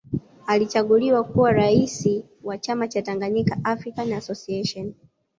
Alichaguliwa kuwa raisi wa chama cha Tanganyika African Association